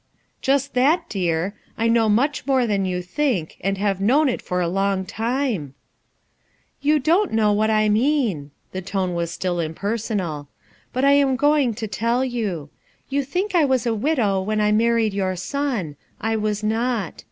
"Just that, dear. I know much more than you think, and have known it for a long time." A RETROGRADE MOVEMENT gj "You don't know what I mean," the tone vasstill impersonal, "but I am going to tell you. Yoa think I was a widow when I married your gon. I was not."